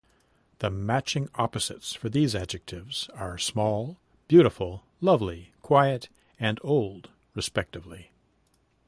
The matching opposites for these adjectives are small, beautiful, lovely, quiet, and old, respectively.